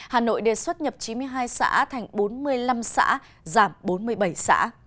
hà nội đề xuất nhập chín mươi hai xã thành bốn mươi năm xã giảm bốn mươi bảy xã